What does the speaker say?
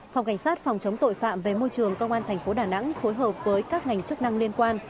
phòng cảnh sát phòng chống tội phạm về môi trường công an tp đà nẵng phối hợp với các ngành chức năng liên quan